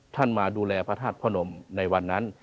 มาดูแลพระธาตุพระนมในวันนั้น